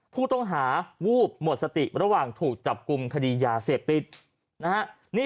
ผู้ต้องหาวูบหมดสติระหว่างถูกจับกลุ่มคดียาเสพติดนะฮะ